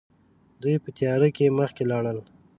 دوی په تياره کې مخکې لاړل.